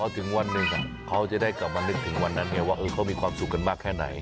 ถึงวันหนึ่งเขาจะได้กลับมานึกถึงวันนั้นไงว่าเขามีความสุขกันมากแค่ไหน